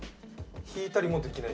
引いたりもできない。